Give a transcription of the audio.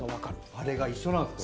あれが一緒なんですか。